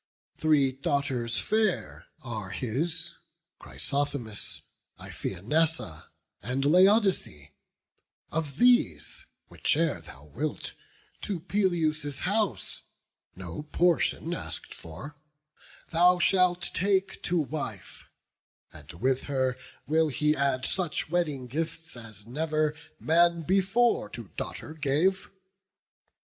Three daughters fair are his, Chrysothemis, Iphianassa, and Laodice; Of these whiche'er thou wilt, to Peleus' house, No portion ask'd for, thou shalt take to wife; And with her will he add such wedding gifts, As never man before to daughter gave.